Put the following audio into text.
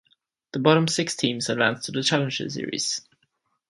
The bottom six teams advanced to the Challenger Series.